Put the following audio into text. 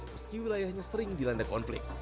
meski wilayahnya sering dilanda konflik